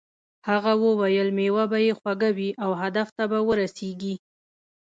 هغه وویل میوه به یې خوږه وي او هدف ته به ورسیږې.